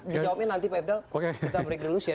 di jawabnya nanti pak ifdal kita berikur lusia